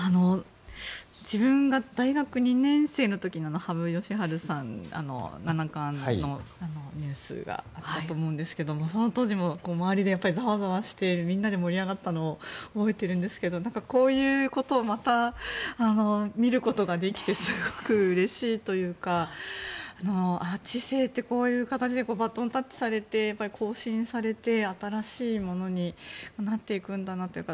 自分が大学２年生の時に羽生善治さん七冠のニュースがあったと思うんですがその当時も周りでやっぱりザワザワしてみんなで盛り上がったのを覚えているんですがこういうことをまた見ることができてすごくうれしいというか知性ってこういう形でバトンタッチされて更新されて、新しいものになっていくんだなというか。